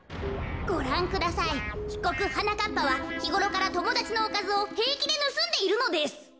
ごらんくださいひこくはなかっぱはひごろからともだちのおかずをへいきでぬすんでいるのです。